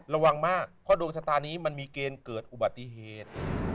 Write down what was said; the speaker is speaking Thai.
ระวังมากเพราะดวงชะตานี้มันมีเกณฑ์เกิดอุบัติเหตุ